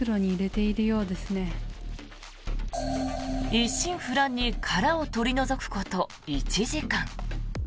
一心不乱に殻を取り除くこと１時間。